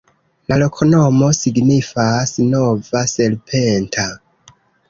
La loknomo signifas: nova-serpenta.